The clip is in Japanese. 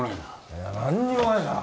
いや何にもないな。